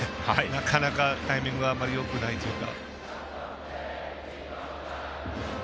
なかなかタイミングはあんまりよくないというか。